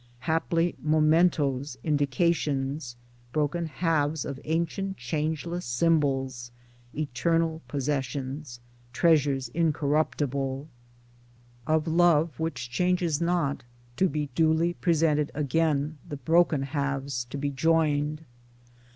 Haply mementos, indications, broken halves of ancient changeless Symbols, eternal possessions, treasures incor ruptible, Of Love which changes not — to be duly presented again — the broken halves to be joined.